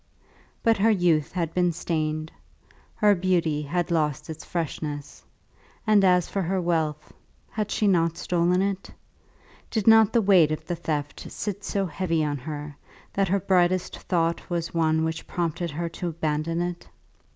But her youth had been stained, her beauty had lost its freshness; and as for her wealth, had she not stolen it? Did not the weight of the theft sit so heavy on her, that her brightest thought was one which prompted her to abandon it?